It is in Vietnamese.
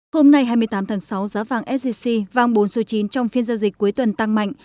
hôm nay hai mươi tám tháng sáu giá vàng sgc vang bốn số chín trong phiên giao dịch cuối tuần tăng mạnh